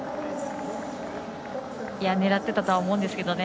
狙ってたとは思うんですけどね。